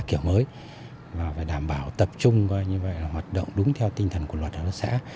kiểu mới và đảm bảo tập trung hoạt động đúng theo tinh thần của luật hợp tác xã